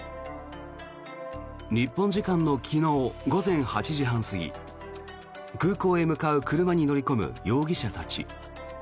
日本時間の昨日午前８時半過ぎ空港へ向かう車に乗り込む容疑者たち。